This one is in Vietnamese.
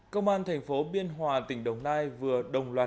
cơ quan thành phố biên hòa tỉnh đồng nai vừa đồng loại